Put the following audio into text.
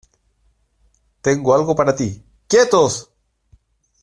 Tengo algo para ti. ¡ quietos!